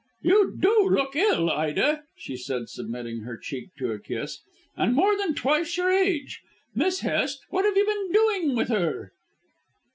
"You do look ill, Ida," she said submitting her cheek to a kiss, "and more than twice your age. Miss Hest, what have you been doing with her?"